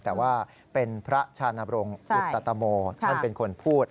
แต่ว่าเป็นพระชานบรงอุตโมท่านเป็นคนพูด